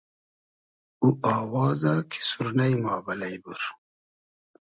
او آوازۂ کی سورنݷ ما بئلݷ بور